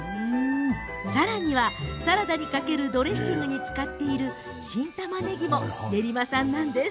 さらには、サラダにかけるドレッシングに使っている新たまねぎも練馬産です。